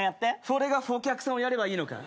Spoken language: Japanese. フォ客さんをやればいいのか。